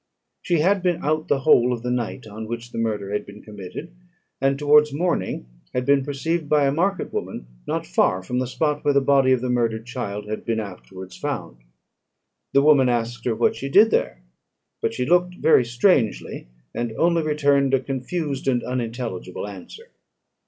She had been out the whole of the night on which the murder had been committed, and towards morning had been perceived by a market woman not far from the spot where the body of the murdered child had been afterwards found. The woman asked her what she did there; but she looked very strangely, and only returned a confused and unintelligible answer.